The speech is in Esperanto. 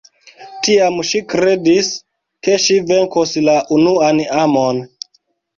Tiam ŝi kredis, ke ŝi venkos la unuan amon.